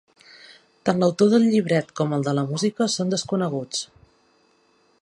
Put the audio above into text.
Tant l’autor del llibret com el de la música són desconeguts.